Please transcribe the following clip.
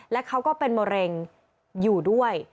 และเขาก็เป็นมะเร็งอยู่ด้วย